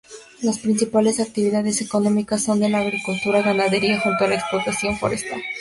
Las principales actividades económicas son la agricultura y ganadería, junto con la explotación forestal.